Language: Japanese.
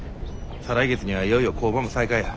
再来月にはいよいよ工場も再開や。